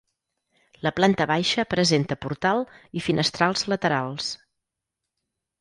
La planta baixa presenta portal i finestrals laterals.